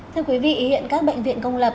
thưa quý vị hiện các bệnh viện công lập